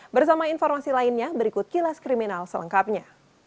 bersama informasi lainnya berikut kilas kriminal selengkapnya